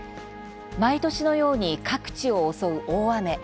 毎年のように各地を襲う大雨。